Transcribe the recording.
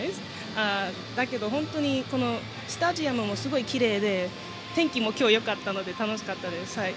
だけどスタジアムもすごいきれいで天気も今日、よかったので楽しかったです。